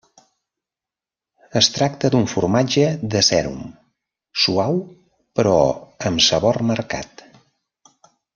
Es tracta d'un formatge de sèrum, suau però amb sabor marcat.